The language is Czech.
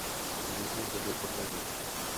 Knihy byly odvezeny.